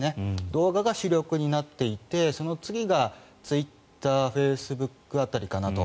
動画が主力になっていてその次がツイッターフェイスブック辺りかなと。